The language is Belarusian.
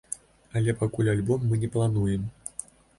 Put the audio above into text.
Але пакуль альбом мы не плануем.